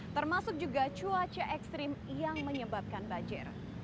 termasuk juga cuaca ekstrim yang menyebabkan banjir